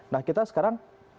nah kita sekarang